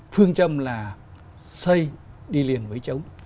phương châm là xây đi liền với chống